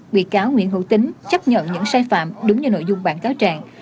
bị cáo nguyễn hữu tính chấp nhận những sai phạm đúng như nội dung bản cáo trạng